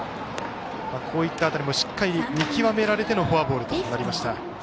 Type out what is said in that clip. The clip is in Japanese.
こういった辺りもしっかり見極められてのフォアボールとなりました。